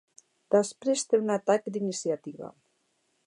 Després té un atac d'iniciativa.